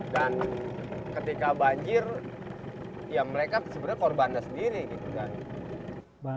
dan ketika banjir ya mereka sebenarnya korban sendiri gitu kan